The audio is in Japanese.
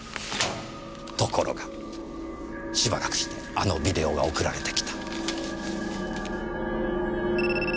ところがしばらくしてあのビデオが送られてきた。